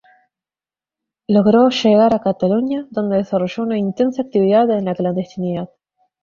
Logró llegar a Cataluña, donde desarrolló una intensa actividad en la clandestinidad.